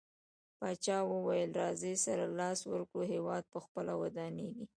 پاچاه وويل: راځٸ سره لاس ورکړو هيواد په خپله ودانيږي.